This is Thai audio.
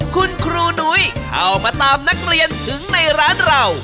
คุณครูหนุ้ยเข้ามาตามนักเรียนถึงในร้านเรา